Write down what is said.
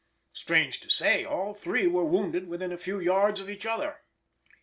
Strange to say, all three were wounded within a few yards of each other.